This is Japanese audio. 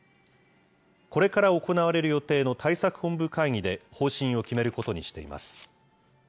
これから行われる予定の対策本部会議で方針を決めることにしています。